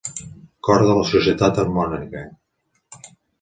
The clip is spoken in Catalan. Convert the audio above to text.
Cor de la Societat Harmònica.